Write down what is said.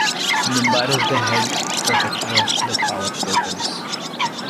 Nimbar is the Head Protector of the Power Portals.